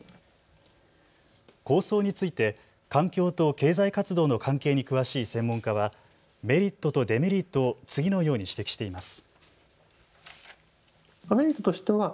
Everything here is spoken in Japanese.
構想について環境と経済活動の関係に詳しい専門家はメリットとデメリットを次のように指摘しています。